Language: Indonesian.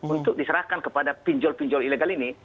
untuk diserahkan kepada pinjol pinjol ilegal ini